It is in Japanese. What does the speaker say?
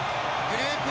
グループＥ